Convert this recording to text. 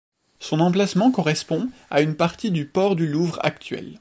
Son emplacement correspond à une partie du port du Louvre actuel.